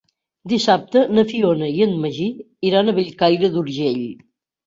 Dissabte na Fiona i en Magí iran a Bellcaire d'Urgell.